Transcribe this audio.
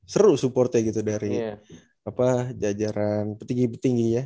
seru supportnya gitu dari jajaran petinggi petinggi ya